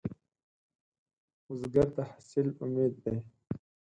بزګر ته حاصل امید دی